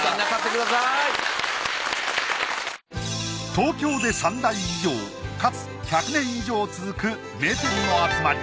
東京で３代以上かつ１００年以上続く名店の集まり。